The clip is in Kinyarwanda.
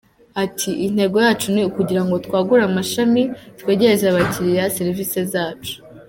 Ati ”Intego yacu ni ukugira ngo twagure amashami, twegereze abakiriya serivisi zacu.